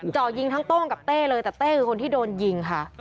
จ่อยิงทั้งโต้งกับเต้เลยแต่เต้คือคนที่โดนยิงค่ะ